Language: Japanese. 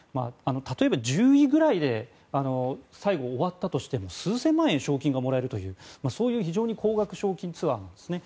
例えば１０位ぐらいで終わったとしても数千万円、賞金がもらえるというそういう非常に高額賞金ツアーなんですね。